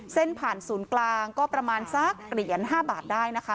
เส้นผ่านศูนย์กลางก็ประมาณสักเหรียญ๕บาทได้นะคะ